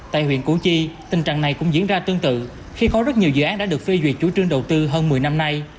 tại huyện củ chi tình trạng này cũng diễn ra tương tự khi có rất nhiều dự án đã được phê duyệt chủ trương đầu tư hơn một mươi năm nay